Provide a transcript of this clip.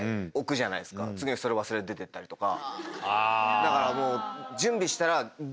だからもう。